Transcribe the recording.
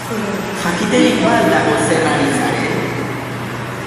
Jakiterik ba al dago zer ari zaren?